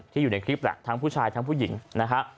อยู่ในคลิปแหละทั้งผู้ชายทั้งผู้หญิงนะฮะ